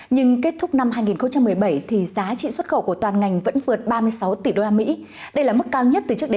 nhưng kết thúc năm hai nghìn một mươi bảy thì giá trị xuất khẩu của toàn ngành vẫn vượt ba mươi sáu tỷ usd